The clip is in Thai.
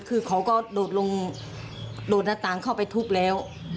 คือเขาก็โดดนาต่างเข้าไปทุบแล้ว